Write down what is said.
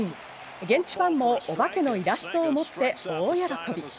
現地ファンもおばけのイラストを持って大喜び。